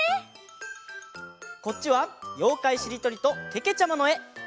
こっちは「ようかいしりとり」とけけちゃまのえ！